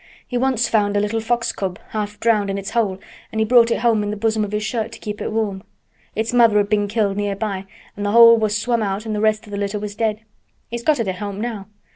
He once found a little fox cub half drowned in its hole and he brought it home in th' bosom of his shirt to keep it warm. Its mother had been killed nearby an' th' hole was swum out an' th' rest o' th' litter was dead. He's got it at home now.